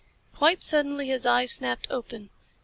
Quite suddenly his eyes snapped open.